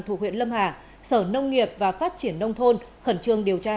thuộc huyện lâm hà sở nông nghiệp và phát triển nông thôn khẩn trương điều tra